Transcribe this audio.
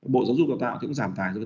bộ giáo dục đào tạo thì cũng giảm tài rồi